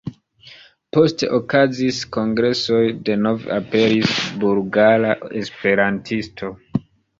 Poste okazis kongresoj, denove aperis Bulgara Esperantisto.